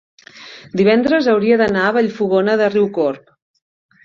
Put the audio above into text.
divendres hauria d'anar a Vallfogona de Riucorb.